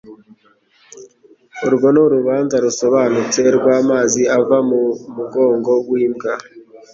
Urwo ni urubanza rusobanutse rw "amazi ava mu mugongo w'imbwa ".